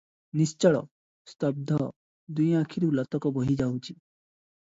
ନିଶ୍ଚଳ, ସ୍ତବ୍ଧଧ ଦୁଇ ଆଖିରୁ ଲୋତକ ବହିଯାଉଅଛି ।